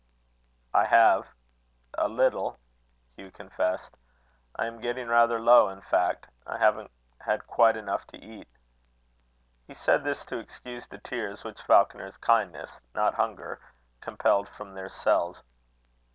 "I have a little," Hugh confessed. "I am getting rather low in fact. I haven't had quite enough to eat." He said this to excuse the tears which Falconer's kindness not hunger compelled from their cells.